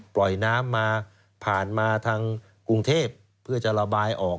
ปล่อยน้ำมาผ่านมาทางกรุงเทพเพื่อจะระบายออก